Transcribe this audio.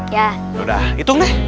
yaudah hitung deh